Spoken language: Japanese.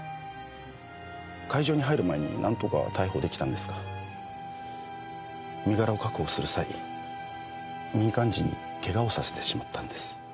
会場に入る前になんとか逮捕出来たんですが身柄を確保する際に民間人にケガをさせてしまったんです。